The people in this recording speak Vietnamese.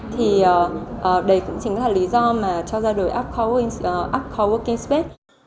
thì đây cũng chính là lý do mà cho ra đời upco working space